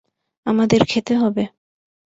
আমাদের খেতে হবে।